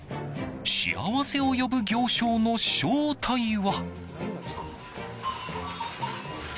幸せを呼ぶ行商の正体は。